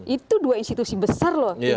itu dua institusi besar loh